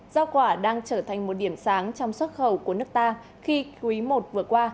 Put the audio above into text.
giao quả đang trở thành một điểm sáng trong xuất khẩu của nước ta khi quý i vừa qua